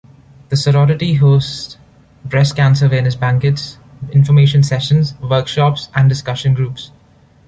The sorority hosts breast cancer awareness banquets, information sessions, workshops, and discussion groups.